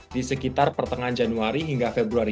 di sekitar pertengahan januari hingga februari